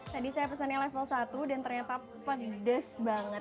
tadi saya pesannya level satu dan ternyata pedes banget